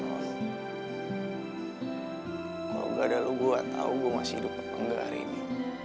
kalo gak ada lo gue gak tau gue masih hidup apa enggak hari ini